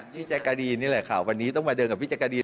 พี่แจ๊กกะดีนนี่แหละค่ะวันนี้ต้องมาเดินกับพี่แจ๊กกี